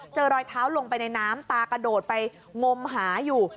รอยเท้าลงไปในน้ำตากระโดดไปงมหาอยู่